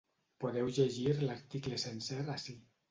Podeu llegir l’article sencer ací.